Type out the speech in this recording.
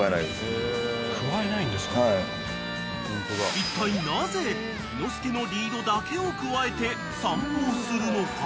［いったいなぜ猪之助のリードだけをくわえて散歩するのか？］